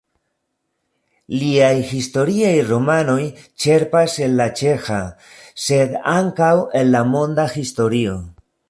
Liaj historiaj romanoj ĉerpas el la ĉeĥa, sed ankaŭ el la monda historio.